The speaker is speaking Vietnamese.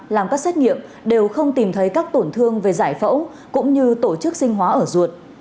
làm các xét nghiệm đều không tìm thấy các tổn thương về giải phẫu cũng như tổ chức sinh hóa ở ruột